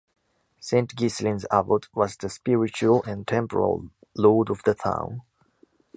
Saint-Ghislain's abbot was the spiritual and temporal lord of the town.